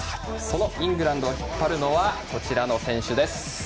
そのイングランドを引っ張るのがこちらの選手です。